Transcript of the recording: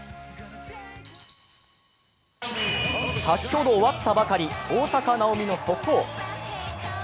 先ほど終わったばかり、大坂なおみの速報。